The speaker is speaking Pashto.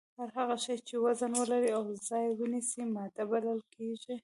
هر هغه شی چې وزن ولري او ځای ونیسي ماده بلل کیږي